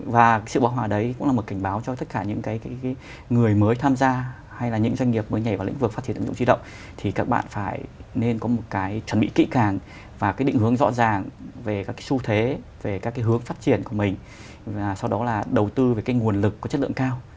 và sự báo hòa đấy cũng là một cảnh báo cho tất cả những cái người mới tham gia hay là những doanh nghiệp mới nhảy vào lĩnh vực phát triển ứng dụng trí động thì các bạn phải nên có một cái chuẩn bị kỹ càng và cái định hướng rõ ràng về các cái xu thế về các cái hướng phát triển của mình và sau đó là đầu tư về cái nguồn lực có chất lượng cao